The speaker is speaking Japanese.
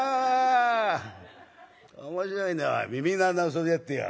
「面白いな耳の穴の掃除だってよ。